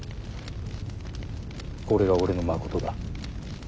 これが俺のまことだ。